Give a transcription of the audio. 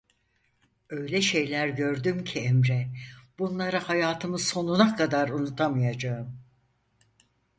Öyle şeyler gördüm ki Emre, bunları hayatımın sonuna kadar unutamayacağım.